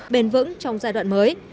bền vững trong giai đoạn mới